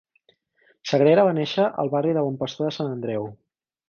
Sagrera va néixer al barri de Bon Pastor de Sant Andreu.